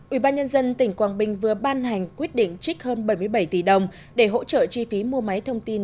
ubnd tỉnh quảng bình vừa ban hành quyết định trích hơn bảy mươi bảy tỷ đồng để hỗ trợ chi phí mua máy thông tin